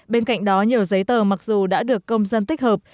bên cạnh đó nhiều giấy tờ mặc dù đã được công dân tích hợp